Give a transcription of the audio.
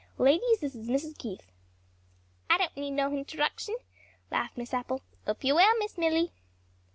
"Ladies, this is Miss Keith." "I don't need no hintroduction," laughed Miss Apple. "'Ope you're well, Miss Milly."